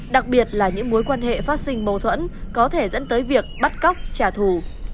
đặc biệt là những mối quan hệ phát sinh mâu thuẫn có thể dẫn tới việc bắt cóc trả thù